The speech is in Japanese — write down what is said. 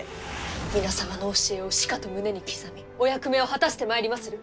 皆様の教えをしかと胸に刻みお役目を果たしてまいりまする！